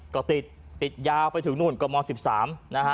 ก็ติดติดยาวไปถึงนู่นก็ม๑๓นะฮะ